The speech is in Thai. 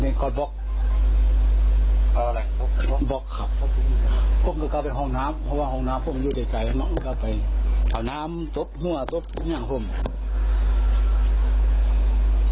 มันก็กลับไปข้าวน้ำตบหัวตบทุกอย่างพวกมัน